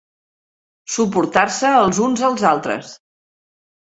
Suportar-se els uns als altres.